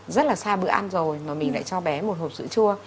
rất là xa bữa ăn rồi mà mình lại cho bé một hộp sữa chua